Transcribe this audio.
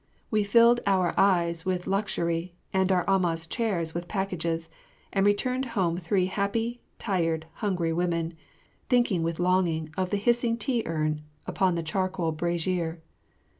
We filled our eyes with luxury and our amahs' chairs with packages, and returned home three happy, tired, hungry women, thinking with longing of the hissing tea urn upon the charcoal brazier.